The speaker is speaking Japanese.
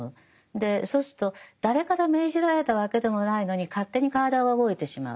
そうすると誰から命じられたわけでもないのに勝手に体が動いてしまう。